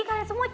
kalian semua c